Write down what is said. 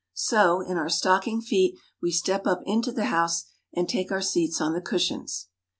So, in our stocking feet, we step up into the house, and take our seats on the cushions.